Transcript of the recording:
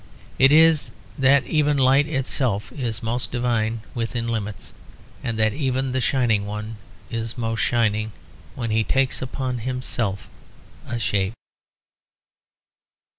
It is that even light itself is most divine within limits; and that even the shining one is most shining, when he takes upon himself a shape.